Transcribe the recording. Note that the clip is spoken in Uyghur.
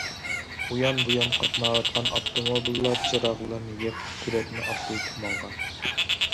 ئۇيان- بۇيان قاتناۋاتقان ئاپتوموبىللار چىراغلىرىنى يېقىپ سۈرئەتنى ئاستىلىتىپ ماڭغان.